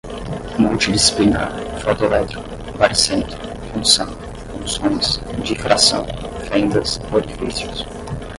multidisciplinar, fotoelétrico, baricentro, função, funções, difração, fendas, orifícios